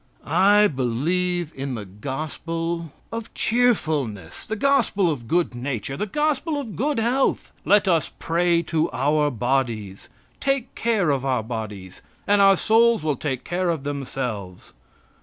I believe in the gospel of cheerfulness, the gospel of good nature, the gospel of good health. Let us pray to our bodies. Take care of our bodies, and our souls will take care of themselves.